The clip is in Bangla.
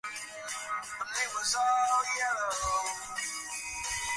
সে সংকোচ নিজের জন্য নহে।